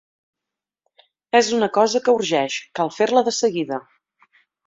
És una cosa que urgeix: cal fer-la de seguida.